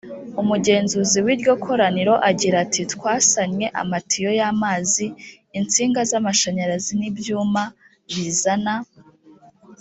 umugenzuzi w iryo koraniro agira ati twasannye amatiyo y amazi insinga z amashanyarazi n ibyuma bizana